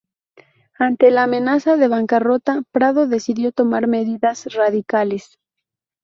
Ante la amenaza de bancarrota, Prado decidió tomar medidas radicales.